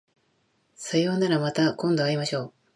さようならまた今度会いましょう